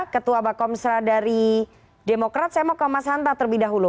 ketua bakomsra dari demokrat saya mau ke mas hanta terlebih dahulu